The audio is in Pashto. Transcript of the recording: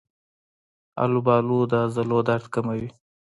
آلوبالو د عضلو درد کموي.